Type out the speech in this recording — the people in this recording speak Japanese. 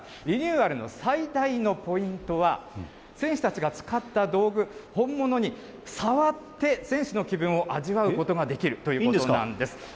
リニューアルの最大のポイントは、選手たちが使った道具、本物に触って、選手の気分を味わうことができるということなんです。